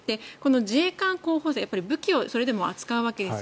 自衛官候補生武器を扱うわけですよ。